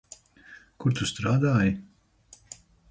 Kur tu strādāji?